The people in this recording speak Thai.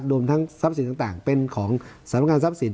รวมทั้งทรัพย์สินต่างต่างเป็นของสรรพการทรัพย์สิน